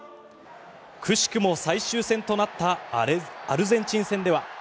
くしくも最終戦となったアルゼンチン戦では。